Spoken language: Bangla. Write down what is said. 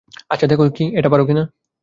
আচ্ছা দেখি, এটা পার কি না।